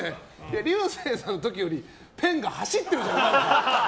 竜星さんの時よりペンが走ってるじゃない！